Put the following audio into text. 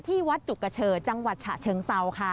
ที่วัดจุกเชอจังหวัดฉะเชิงเซาค่ะ